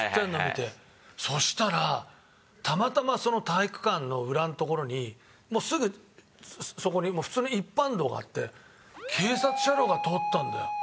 そしたらたまたまその体育館の裏の所にもうすぐそこに普通に一般道があって警察車両が通ったんだよ。